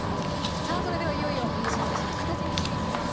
さあそれではいよいよ押しずしの形にしていきます。